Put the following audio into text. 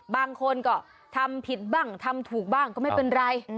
บางคนก็ทำผิดบ้างทำถูกบ้างก็ไม่เป็นไร